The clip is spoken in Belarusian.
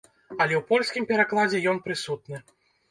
Але ў польскім перакладзе ён прысутны.